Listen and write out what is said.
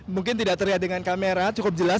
mungkin tidak terlihat dengan kamera cukup jelas